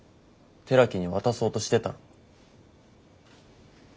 寺木に渡そうとしてたろ。